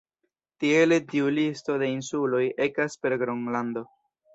Tiele tiu listo de insuloj ekas per Gronlando.